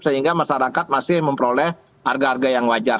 sehingga masyarakat masih memperoleh harga harga yang wajar